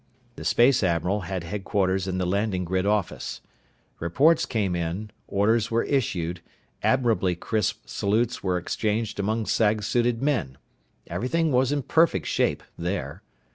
The space admiral had headquarters in the landing grid office. Reports came in, orders were issued, admirably crisp salutes were exchanged among sag suited men. Everything was in perfect shape there.